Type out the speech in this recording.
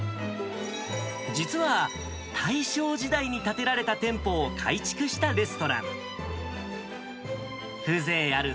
実は大正時代に建てられた店舗を改築したレストラン。